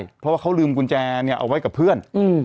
เพราะว่าเขาลืมกุญแจเนี่ยเอาไว้กับเพื่อน